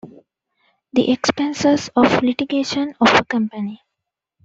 The expenses of litigation of a company.